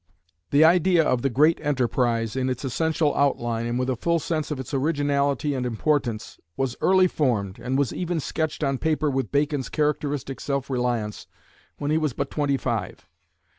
The idea of the great enterprise, in its essential outline, and with a full sense of its originality and importance, was early formed, and was even sketched on paper with Bacon's characteristic self reliance when he was but twenty five.